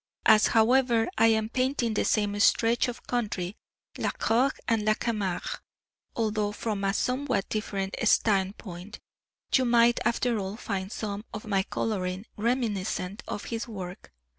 As, however, I am painting the same stretch of country, La Crau and La Camargue, although from a somewhat different standpoint, you might after all find some of my colouring reminiscent of his work.